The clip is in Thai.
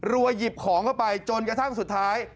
หยิบของเข้าไปจนกระทั่งสุดท้าย